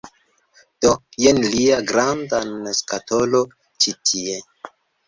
Do, jen lia grandan skatolo ĉi tie...